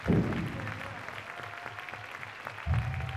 প্রাচীনকালে তাঁহাদের কথ্য ভাষা ছিল সংস্কৃত।